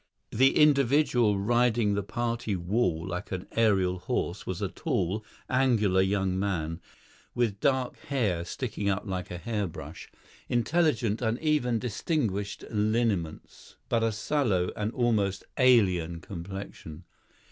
The individual riding the party wall like an aerial horse was a tall, angular young man, with dark hair sticking up like a hair brush, intelligent and even distinguished lineaments, but a sallow and almost alien complexion.